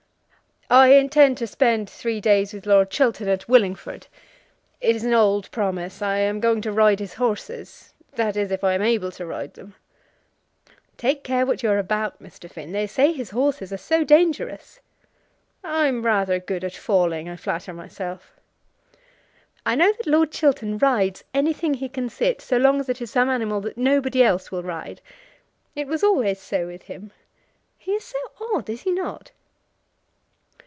"I intend to spend three days with Lord Chiltern at Willingford. It is an old promise. I am going to ride his horses, that is, if I am able to ride them." "Take care what you are about, Mr. Finn; they say his horses are so dangerous!" "I'm rather good at falling, I flatter myself." "I know that Lord Chiltern rides anything he can sit, so long as it is some animal that nobody else will ride. It was always so with him. He is so odd; is he not?"